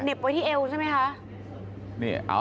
มีปืนอยู่ด้วยนิบไว้ที่เอวใช่ไหมคะ